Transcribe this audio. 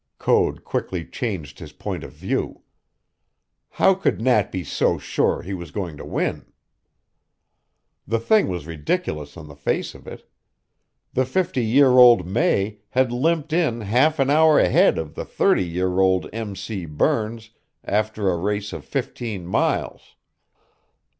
Code quickly changed his point of view. How could Nat be so sure he was going to win? The thing was ridiculous on the face of it. The fifty year old May had limped in half an hour ahead of the thirty year old M. C. Burns after a race of fifteen miles.